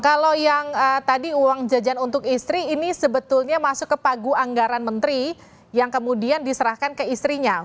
kalau yang tadi uang jajan untuk istri ini sebetulnya masuk ke pagu anggaran menteri yang kemudian diserahkan ke istrinya